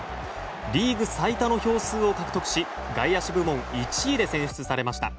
リーグ最多の票数を獲得し外野手部門１位で選出されました。